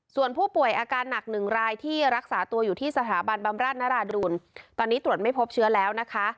ส่วนผู้ป่วยอาการหนักหนึ่งรายที่รักษาตัวอยู่ที่สถาบันบำราชนราดุลตอนนี้ตรวจไม่พบเชื้อแล้วนะคะ